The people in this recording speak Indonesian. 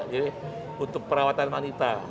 jadi untuk perawatan wanita